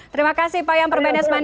terima kasih pak yang permanesman